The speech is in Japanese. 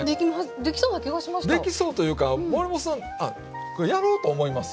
できそうというか守本さんこれやろうと思いますよね。